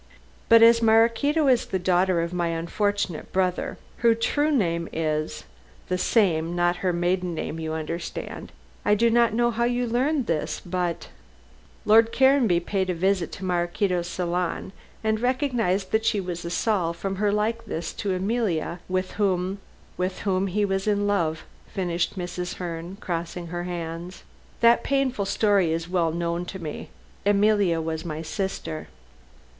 "But as Maraquito is the daughter of my unfortunate brother, her true name is the same not her maiden name, you understand. I do not know how you learned this, but " "Lord Caranby paid a visit to Maraquito's salon and recognized that she was a Saul from her likeness to Emilia, with whom " "With whom he was in love," finished Mrs. Herne, crossing her hands; "that painful story is well known to me. Emilia was my sister."